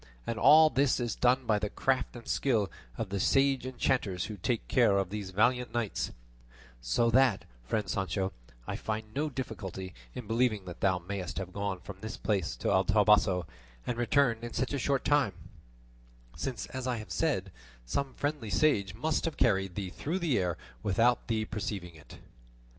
And all this is done by the craft and skill of the sage enchanters who take care of those valiant knights; so that, friend Sancho, I find no difficulty in believing that thou mayest have gone from this place to El Toboso and returned in such a short time, since, as I have said, some friendly sage must have carried thee through the air without thee perceiving it."